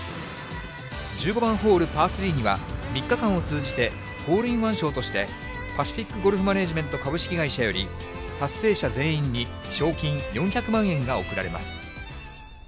１５番ホールパー３には、３日間を通じて、ホールインワン賞として、パシフィックゴルフマネージメント株式会社より、達成者全員に賞金４００万円が贈られます。